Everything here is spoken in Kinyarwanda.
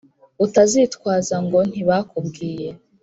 utazitwaza ngo ntibakubwiye